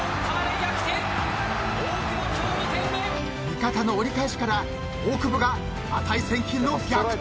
［味方の折り返しから大久保が値千金の逆転ゴール］